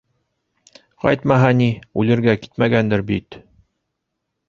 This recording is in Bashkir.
- Ҡайтмаһа ни, үлергә китмәгәндер бит!